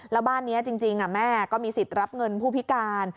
แล้วบ้านนี้จริงแม่ก็มีสิทธิ์รับเงินผู้พิการ